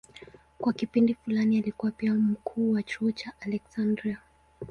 Kwa kipindi fulani alikuwa pia mkuu wa chuo cha Aleksandria.